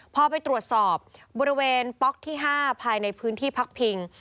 พอไปตรวจสอบบริเวณป๊อกที่๕ภายในพื้นที่พักพิง